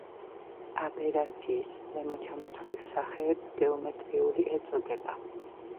აბერაციის ზემოჩამოთვლილ სახეებს გეომეტრიული ეწოდება.